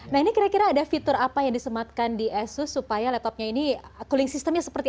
nah ini kira kira ada fitur apa yang disematkan di asus supaya laptopnya ini cooling systemnya seperti apa